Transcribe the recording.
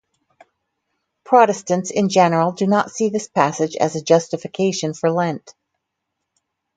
Protestants, in general, do not see this passage as a justification for Lent.